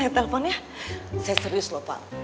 teleponnya saya serius pak